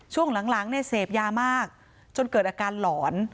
ช่วงหลังเนี่ยเสพยามากจนเกิดอาการหลอน